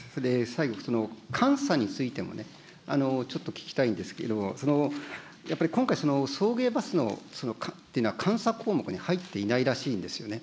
最後、監査についてもね、ちょっと聞きたいんですけど、やっぱり今回、送迎バスっていうのはその監査項目に入っていないらしいんですよね。